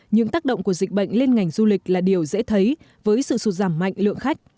những tác động của dịch bệnh lên ngành du lịch là điều dễ thấy với sự sụt giảm mạnh lượng khách